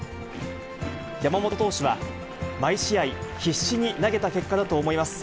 山本投手は、毎試合、必死に投げた結果だと思います。